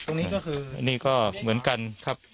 อันนี้ก็เหมือนกันครับ